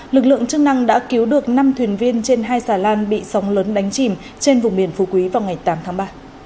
lực lượng chức năng đã cứu được năm thuyền viên trên hai xà lan bị sóng lớn đánh chìm trên vùng biển phù quý vào ngày tám tháng ba